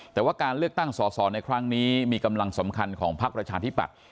แต่ว่าการเลือกตั้งสอสอในครั้งนี้มีกำลังสำคัญของพักประชาธิปัตย